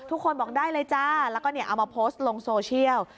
ทุกคนบอกได้เลยจ้าแล้วก็เอามาโพสต์ลงโซเชียล